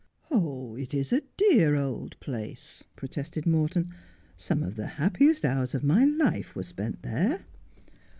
' It is a dear old place,' protested Morton :' some of the happiest hours of my life were spent there.'